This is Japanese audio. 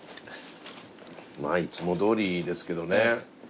まぁいつもどおりですけどね。